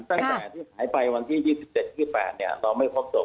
ตั้งแต่ที่หายไปวันที่๒๗๒๘เราไม่พบศพ